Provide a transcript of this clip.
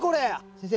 先生。